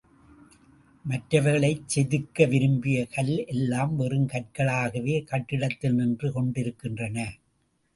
மற்றவைகளை செதுக்க விரும்பிய கல் எல்லாம் வெறும் கற்களாகவே கட்டிடத்தில் நின்று கொண்டிருக்கின்றன.